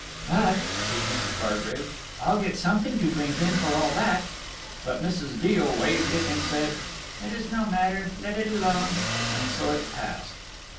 "But," says Mrs. Bargrave, "I'll get something to drink in for all that"; but Mrs. Veal waived it, and said, "It is no matter; let it alone"; and so it passed.